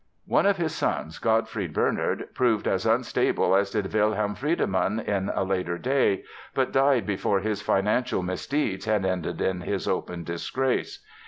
One of his sons, Gottfried Bernhard, proved as unstable as did Wilhelm Friedemann in a later day, but died before his financial misdeeds had ended in his open disgrace.